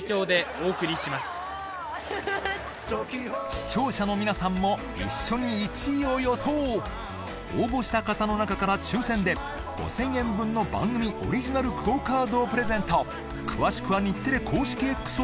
視聴者の皆さんも一緒に１位を予想応募した方の中から抽選で５０００円分の番組オリジナルＱｕｏカードをプレゼント